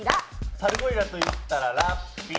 サルゴリラといったらラッピー。